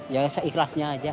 ya seikhlasnya aja